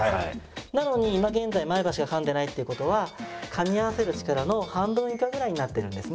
なのに今現在前歯しか噛んでないっていう事は噛み合わせる力の半分以下ぐらいになってるんですね。